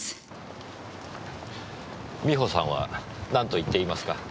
美穂さんは何と言っていますか？